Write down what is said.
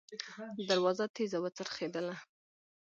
دروازه تېزه وڅرخېدله.